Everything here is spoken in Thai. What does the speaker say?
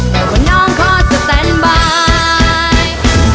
แล้วคนน้องขอสตานบาย